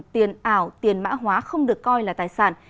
tiền ảo tiền mã hóa không được coi là tài sản